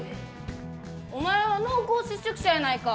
お前は濃厚接触者やないか。